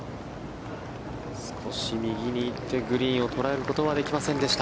少し右に行ってグリーンを捉えることはできませんでした。